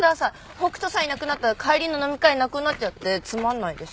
北斗さんいなくなったら帰りの飲み会なくなっちゃってつまんないです。